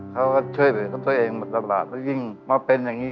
เขาก็ช่วยเหลือกับตัวเองมาตลอดแล้วยิ่งมาเป็นอย่างนี้